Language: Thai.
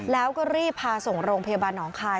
แล้วก็รีบพาส่งโรงพยาบาลหนองคาย